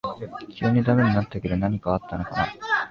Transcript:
急にダメになったけど何かあったのかな